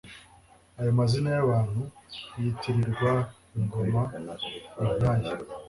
Ayo mazina y'abantu yitirirwa ingoma ni nk'aya :